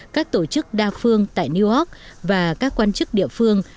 các tổ chức đa phương tại new york và các quan chức địa phương